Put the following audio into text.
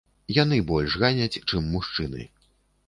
Яны больш ганяць, чым мужчыны.